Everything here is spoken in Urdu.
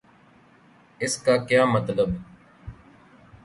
اس کا کیا مطلب؟